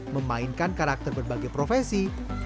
memainkan karakter berbagai profesi